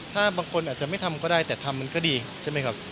ถ้าบางคนอาจจะไม่ทำก็ได้แต่ทำมันก็ดีใช่ไหมครับ